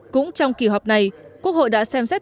cũng trong kỳ họp này quốc hội đã xem xét